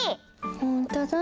ほんとだ。